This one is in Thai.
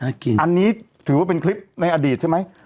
กินอันนี้ถือว่าเป็นคลิปในอดีตใช่ไหม